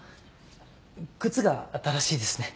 靴が新しいですね。